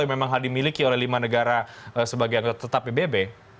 kalau memang hal dimiliki oleh lima negara sebagai tetap pbb